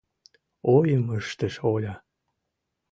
— ойым ыштыш Оля.